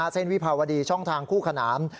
วิภาวดีช่องทางคู่ขนาน